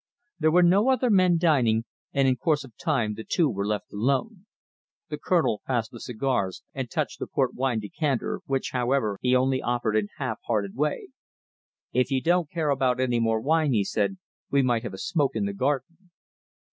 There were no other men dining, and in course of time the two were left alone. The Colonel passed the cigars and touched the port wine decanter, which, however, he only offered in a half hearted way. "If you don't care about any more wine," he said, "we might have a smoke in the garden."